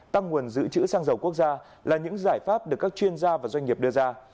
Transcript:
tăng nguồn dự trữ xăng dầu quốc gia là những giải pháp được các chuyên gia và doanh nghiệp đưa ra